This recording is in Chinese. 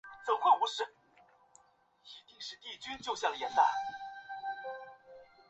海警学院是经教育部备案的独立招生普通高等学校。